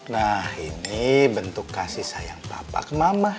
nah ini bentuk kasih sayang bapak ke mama